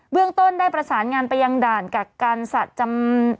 เรื่องต้นได้ประสานงานไปยังด่านกักกันสัตว์จำ